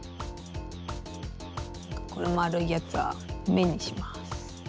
このまるいやつはめにします。